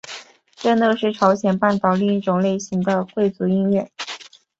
正乐是朝鲜半岛另一种类型的贵族音乐。